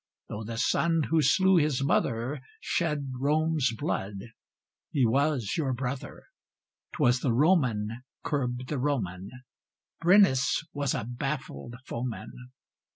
Though the son who slew his mother Shed Rome's blood, he was your brother: 'Twas the Roman curbed the Roman; Brennus was a baffled foeman.